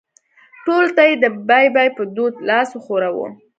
ټولو ته یې د بای بای په دود لاس وښوراوه.